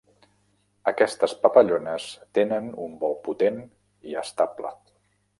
Aquestes papallones tenen un vol potent i estable.